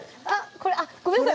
あっごめんなさい